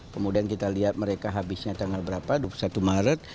kemudian kita lihat mereka habisnya tanggal berapa dua puluh satu maret